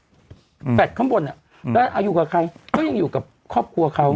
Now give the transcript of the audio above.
แฟลตข้างบนอ่ะแล้วอยู่กับใครก็ยังอยู่กับครอบครัวเขา